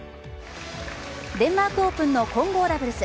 デンマークオープンの混合ダブルス。